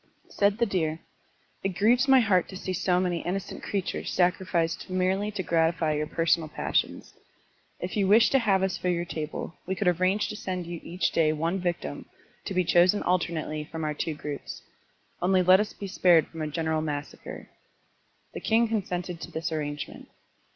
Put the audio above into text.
Said the deer, "It grieves my heart to see so many innocent creatures sacrificed merely to gratify your selfish passions. If you wish to have us for your table, we could arrange to send you each day one victim, to be chosen alternately from our two groups. Only let us be spared from a general massacre.*' The king consented to this arrangement.